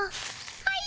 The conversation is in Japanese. はい？